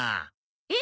えっ？